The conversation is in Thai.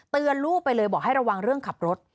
ลูกไปเลยบอกให้ระวังเรื่องขับรถ